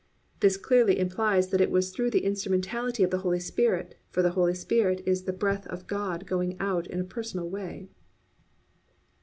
This clearly implies that it was through the instrumentality of the Holy Spirit; for the Holy Spirit is the breath of God going out in a personal way.